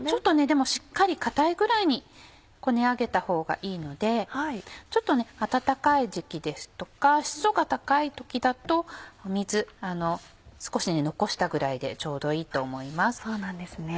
でもしっかり硬いぐらいにこね上げたほうがいいのでちょっと暖かい時期ですとか湿度が高い時だと水少し残したぐらいでちょうどいいと思います。